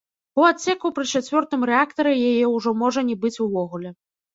У адсеку пры чацвёртым рэактары яе ўжо можа не быць увогуле.